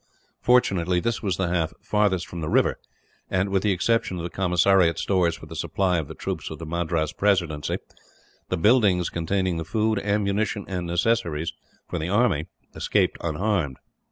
Fortunately this was the half farthest from the river and with the exception of the commissariat stores for the supply of the troops of the Madras Presidency the buildings containing the food, ammunition, and necessaries for the army escaped unharmed.